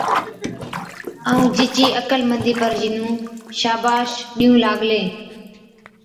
ائُون جِچِي عقلمندِي پر جِنُون شاباش ڏِيئُون لاگلين،